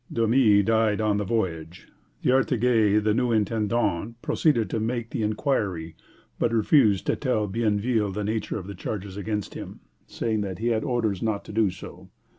De Muys died on the voyage. D'Artaguette, the new intendant, proceeded to make the inquiry, but refused to tell Bienville the nature of the charges against him, saying that he had orders not to do so.